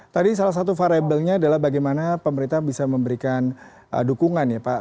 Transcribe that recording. tadi salah satu variabelnya adalah bagaimana pemerintah bisa memberikan dukungan ya pak